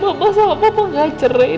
bapak sama papa gak cerai